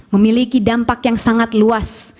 memiliki dampak yang sangat luas